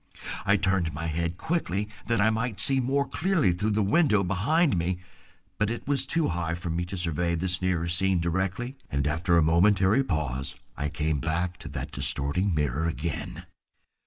I turned my head quickly that I might see more clearly through the window behind me, but it was too high for me to survey this nearer scene directly, and after a momentary pause I came back to that distorting mirror again.